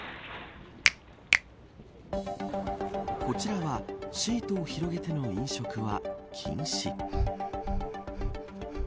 こちらはシートを広げての飲食は禁止。